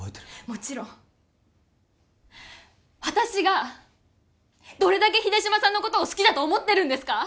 もちろん私がどれだけ秀島さんのことを好きだと思ってるんですか！